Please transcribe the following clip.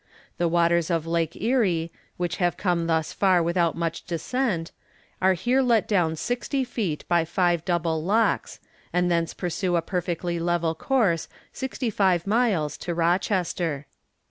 The waters of Lake Erie, which have come thus far without much descent, are here let down sixty feet by five double locks, and thence pursue a perfectly level course, sixty five miles, to Rochester.